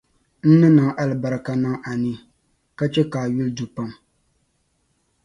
N ni niŋ alibarika niŋ a ni, ka chɛ ka a yuli du pam.